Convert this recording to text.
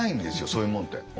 そういうもんって。